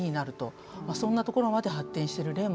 まあそんなところまで発展してる例もあります。